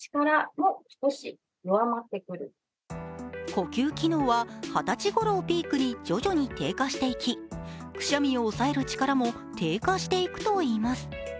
呼吸機能は二十歳ごろをピークに徐々に低下していきくしゃみを抑える力も低下していくといいます。